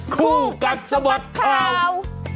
คู่กับสมัติค่า